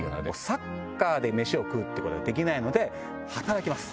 サッカーで飯を食うってことができないので働きます